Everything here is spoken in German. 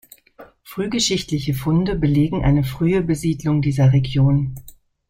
Frühgeschichtliche Funde belegen eine frühe Besiedlung dieser Region.